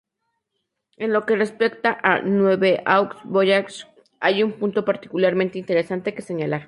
En lo que respecta a "Nouveaux Voyages", hay un punto particularmente interesante que señalar.